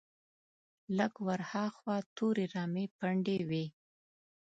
لږ ور هاخوا تورې رمې پنډې وې.